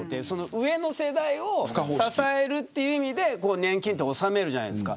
上の世代を支えるという意味で年金は納めるじゃないですか。